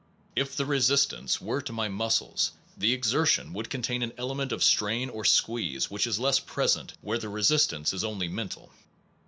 If the resistance were to my muscles, the exertion would contain an ele ment of strain or squeeze which is less present where the resistance is only mental.